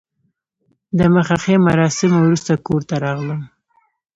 د مخه ښې مراسمو وروسته کور ته راغلم.